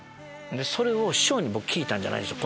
師匠に聞いたんじゃないんですよ